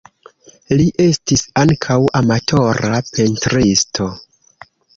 Li estis ankaŭ amatora pentristo.